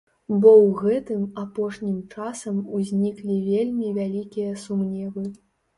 Бо ў гэтым апошнім часам узніклі вельмі вялікія сумневы.